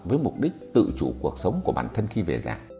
với mục đích tự chủ cuộc sống của bản thân khi về già